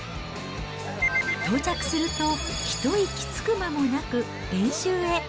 到着すると、一息つく間もなく練習へ。